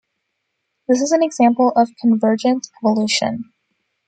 This is an example of convergent evolution.